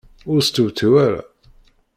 Ur stewtiw ara.